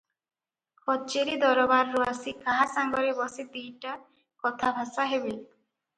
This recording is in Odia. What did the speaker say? କଚେରି ଦରବାରରୁ ଆସି କାହା ସାଙ୍ଗରେ ବସି ଦି'ଟା କଥାଭାଷା ହେବେ?